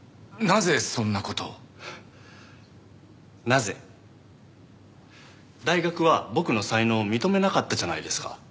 なぜ？大学は僕の才能を認めなかったじゃないですか。